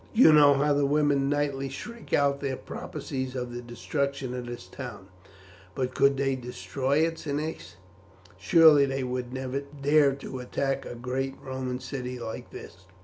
You know how the women nightly shriek out their prophecies of the destruction of this town." "But could they destroy it, Cneius? Surely they would never dare to attack a great Roman city like this!"